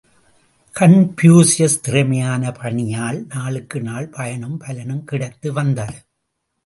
Confucius திறமையான, பணியால் நாளுக்கு நாள் பயனும், பலனும் கிடைத்து வந்தது.